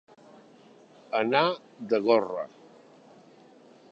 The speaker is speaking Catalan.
Anar de gorra.